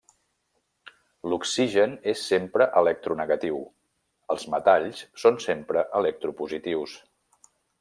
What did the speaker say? L'oxigen és sempre electronegatiu, els metalls són sempre electropositius.